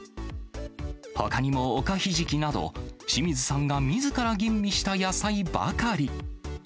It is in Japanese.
ほかにも、おかひじきなど、清水さんがみずから吟味した野菜ばかり。